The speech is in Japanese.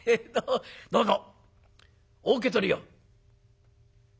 どうぞお受け取りを」。